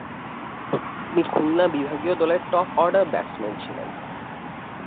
তিনি খুলনা বিভাগীয় দলের টপ-অর্ডার ব্যাটসম্যান ছিলেন।